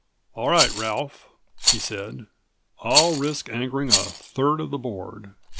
"All right, Ralph," he said. "I'll risk angering a third of the Board.